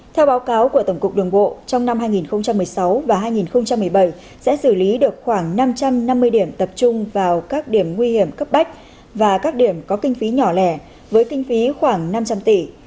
theo báo cáo của tổng cục đường bộ trong năm hai nghìn một mươi sáu và hai nghìn một mươi bảy sẽ xử lý được khoảng năm trăm năm mươi điểm tập trung vào các điểm nguy hiểm cấp bách và các điểm có kinh phí nhỏ lẻ với kinh phí khoảng năm trăm linh tỷ